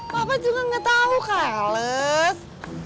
papa juga gak tau kales